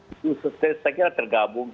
itu setelah tergabung